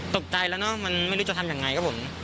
ตกใจแล้วเนอะมันไม่รู้จะทำยังไงครับผม